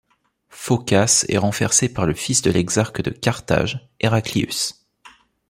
Phocas est renversé par le fils de l'exarque de Carthage, Heraclius.